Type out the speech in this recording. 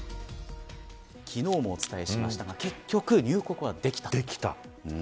昨日もお伝えしましたが結局、入国はできた。